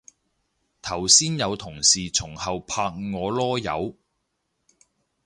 頭先有同事從後拍我籮柚